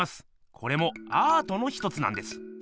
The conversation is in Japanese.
これもアートの１つなんです。